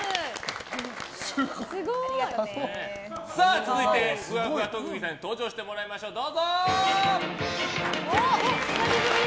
続いてのふわふわ特技さんに登場してもらいましょう。